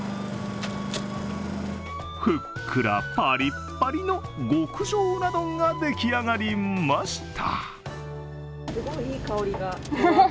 ふっくらパリパリの極上うな丼が出来上がりました。